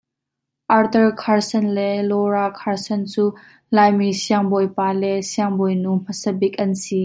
Arthur Carson le Laura Carson cu Laimi siangbawipa le siangbawinu hmasabik an si.